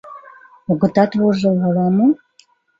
Огытат вожыл, ала-мо?